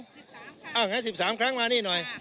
๑๓ครั้งอ้าวไง๑๓ครั้งมานี่หน่อย